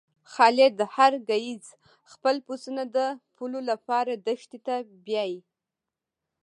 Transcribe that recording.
خالد هر ګیځ خپل پسونه د پوولو لپاره دښتی ته بیایی.